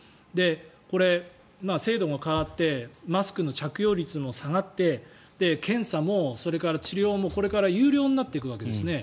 これ、制度が変わってマスクの着用率も下がって検査も、それから治療もこれから有料になっていくわけですね。